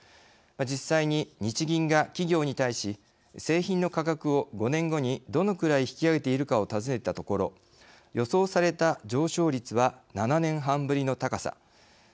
実際に日銀が企業に対し製品の価格を５年後にどのくらい引き上げているかを尋ねたところ予想された上昇率は７年半ぶりの高さ。